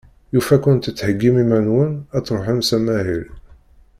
Yufa-ken tettheggim iman-nwen ad truḥem s amahil.